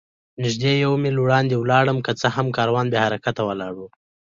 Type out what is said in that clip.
نږدې یو میل وړاندې ولاړم، که څه هم کاروان بې حرکته ولاړ و.